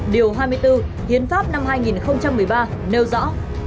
điều hai mươi bốn hiến pháp năm hai nghìn một mươi ba nêu rõ